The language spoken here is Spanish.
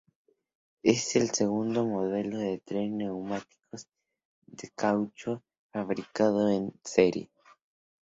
Es el segundo modelo de tren de neumáticos de caucho fabricado en serie.